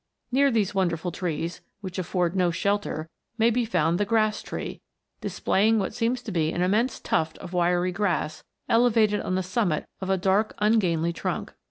Near these wonderful trees, which afford no shelter, may be found the grass tree, displaying what seems to be an immense tuft of wiry grass elevated on the summit of a dark ungainly trunk.